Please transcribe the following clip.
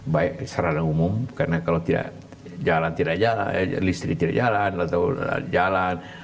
baik secara umum karena kalau tidak jalan listrik tidak jalan atau jalan